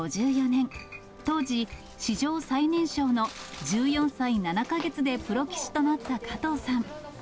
１９５４年、当時、史上最年少の１４歳７か月でプロ棋士となった加藤さん。